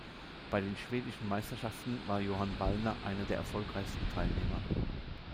Bei den Schwedischen Meisterschaften war Johan Wallner einer der erfolgreichsten Teilnehmer.